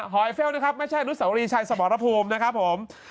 อยเฟลนะครับไม่ใช่อนุสาวรีชัยสมรภูมินะครับผม